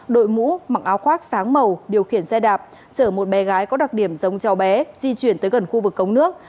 đội mũ mặc áo khoác sáng màu điều khiển xe đạp chở một bé gái có đặc điểm giống cháu bé di chuyển tới gần khu vực cống nước